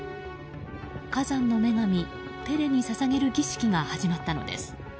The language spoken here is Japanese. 火山の女神ペレに捧げる儀式が始まったのです。